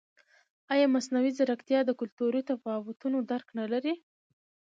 ایا مصنوعي ځیرکتیا د کلتوري تفاوتونو درک نه لري؟